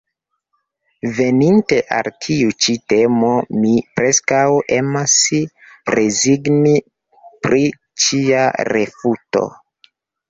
Veninte al tiu ĉi temo mi preskaŭ emas rezigni pri ĉia refuto.